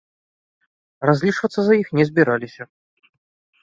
Разлічвацца за іх не збіраліся.